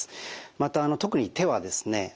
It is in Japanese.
また特に手はですね